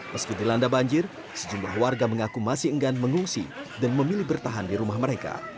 meski dilanda banjir sejumlah warga mengaku masih enggan mengungsi dan memilih bertahan di rumah mereka